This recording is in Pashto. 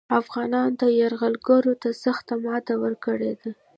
افغانانو تل یرغلګرو ته سخته ماته ورکړې ده